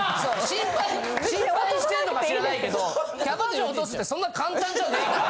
心配してんのか知らないけどキャバ嬢落とすってそんな簡単じゃねえから。